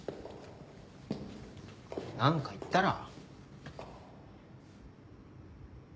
なんか言ったら？